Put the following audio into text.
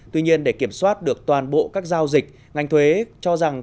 tuy nhiên để kiểm soát được toàn bộ các giao dịch ngành thuế cho rằng